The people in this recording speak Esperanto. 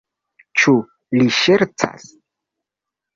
Ĉu li ŝercas?